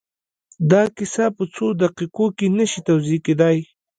دا کيسه په څو دقيقو کې نه شي توضيح کېدای.